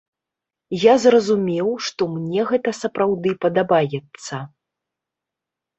Я зразумеў, што мне гэта сапраўды падабаецца.